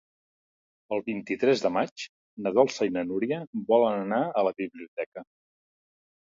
El vint-i-tres de maig na Dolça i na Núria volen anar a la biblioteca.